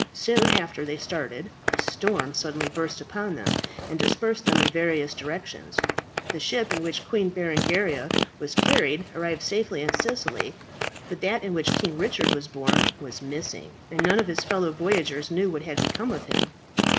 Soon after they started, a storm suddenly burst upon them, and dispersed them in various directions. The ship in which Queen Berengaria was carried, arrived safely in Sicily; but that in which King Richard was borne was missing, and none of his fellow voyagers knew what had become of him.